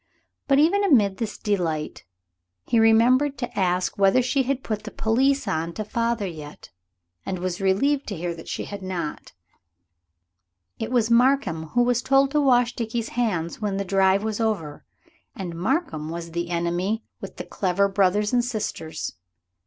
But even amid this delight he remembered to ask whether she had put the police on to father yet, and was relieved to hear that she had not. It was Markham who was told to wash Dickie's hands when the drive was over, and Markham was the enemy with the clever brothers and sisters.